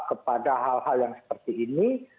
kepada hal hal yang seperti ini